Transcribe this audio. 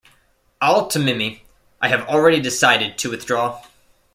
Al-Tamimi: I have already decided to withdraw.